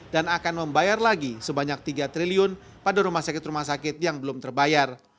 dan akan membayar lagi sebanyak rp tiga triliun pada rumah sakit rumah sakit yang belum terbayar